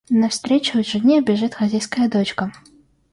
Навстречу жене бежит хозяйская дочка.